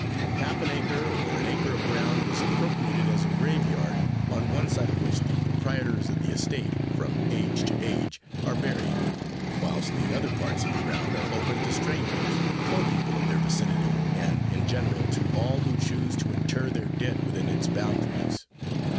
Half an acre, or an acre of ground, is appropriated as a grave yard, on one side of which the proprietors of the estate, from age to age, are buried; whilst the other parts of the ground are open to strangers, poor people of their vicinity, and, in general, to all who choose to inter their dead within its boundaries.